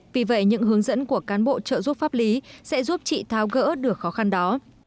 vì vậy những hướng dẫn của cán bộ trợ giúp pháp lý sẽ giúp chị tháo gỡ được khó khăn đó